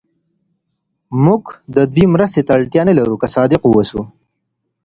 موږ د دوی مرستې ته اړتیا نه لرو که صادق واوسو.